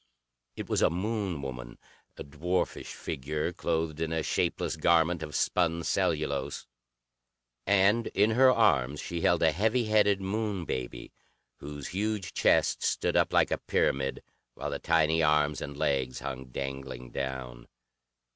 It was a Moon woman, a dwarfish figure, clothed in a shapeless garment of spun cellulose, and in her arms she held a heavy headed Moon baby, whose huge chest stood up like a pyramid, while the tiny arms and legs hung dangling down.